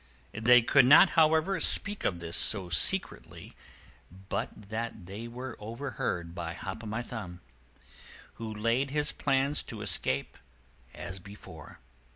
They could not, however, speak of this so secretly but that they were overheard by Hop o' My Thumb, who laid his plans to escape as before.